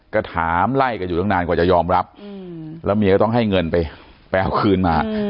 ก็ถามไล่กันอยู่ตั้งนานกว่าจะยอมรับแล้วเมียก็ต้องให้เงินไปไปเอาคืนมา